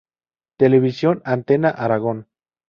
Televisión: Antena Aragón.